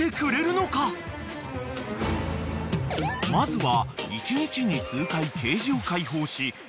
［まずは］